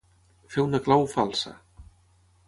Fer una clau falsa.